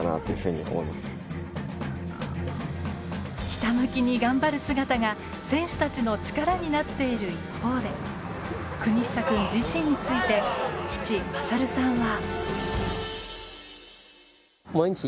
ひたむきに頑張る姿が選手たちの力になっている一方で國久君自身について父・勝さんは。